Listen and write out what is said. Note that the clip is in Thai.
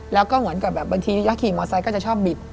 แล้วก็เหมือนกับแบบบางทีถ้าขี่มอไซค์ก็จะชอบบิด